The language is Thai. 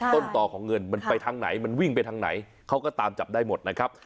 ต้นต่อของเงินมันไปทางไหนมันวิ่งไปทางไหนเขาก็ตามจับได้หมดนะครับ